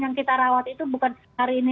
yang kita rawat itu bukan hari ini